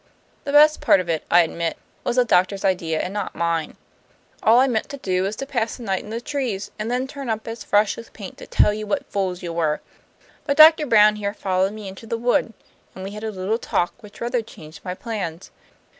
The best part of it, I admit, was the doctor's idea and not mine. All I meant to do was to pass a night in the trees, and then turn up as fresh as paint to tell you what fools you were. But Doctor Brown here followed me into the wood, and we had a little talk which rather changed my plans.